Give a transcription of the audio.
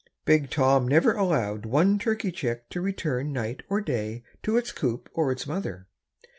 Big Tom never allowed one turkey chick to return night or day to its coop or its mother.